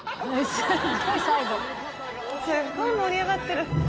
すっごい盛り上がってる。